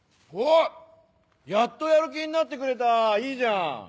おっやっとやる気になってくれたいいじゃん。